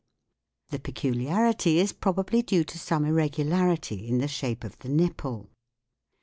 The peculiarity is probably due to some irregularity in the shape of the nipple.